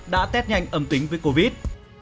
đã test nhanh âm tính với covid